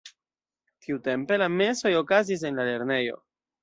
Tiutempe la mesoj okazis en la lernejo.